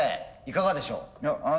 いかがでしょう？